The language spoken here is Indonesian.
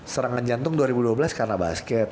serangan jantung dua ribu dua belas karena basket